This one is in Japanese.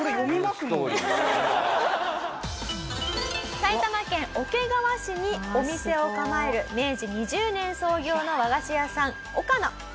埼玉県桶川市にお店を構える明治２０年創業の和菓子屋さんをかの。